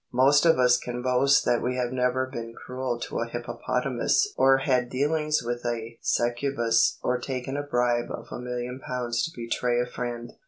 Most of us can boast than we have never been cruel to a hippopotamus or had dealings with a succubus or taken a bribe of a million pounds to betray a friend.